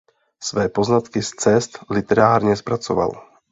Své poznatky z cest literárně zpracoval.